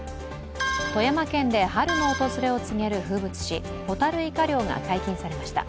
富山県で春の訪れを告げる風物詩ホタルイカ漁が解禁されました。